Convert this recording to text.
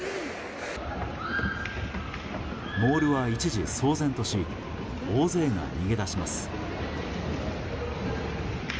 モールは一時、騒然とし大勢が逃げ出します。